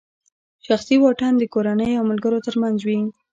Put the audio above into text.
شخصي واټن د کورنۍ او ملګرو ترمنځ وي.